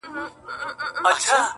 د قاضي معاش څو چنده ته رسېږې ,